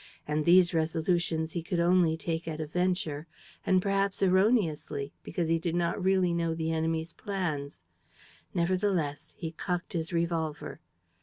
And these resolutions he could only take at a venture and perhaps erroneously, because he did not really know the enemy's plans. Nevertheless he cocked his revolver.